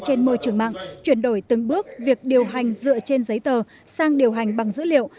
trên môi trường mạng chuyển đổi từng bước việc điều hành dựa trên giấy tờ sang điều hành bằng dữ liệu